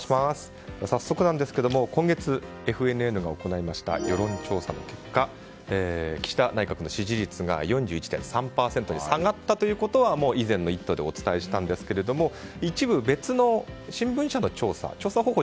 早速ですが今月、ＦＮＮが行いました世論調査の結果岸田内閣の支持率が４１．３％に下がったということは以前の「イット！」でお伝えしたんですが一部別の新聞社の調査調査方法